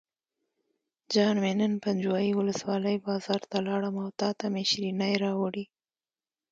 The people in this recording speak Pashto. جان مې نن پنجوایي ولسوالۍ بازار ته لاړم او تاته مې شیرینۍ راوړې.